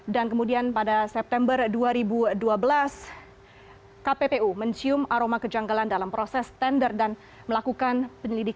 dan kemudian pada september dua ribu dua belas kppu mencium aroma kejanggalan dalam proses tender dan melakukan penyelidikan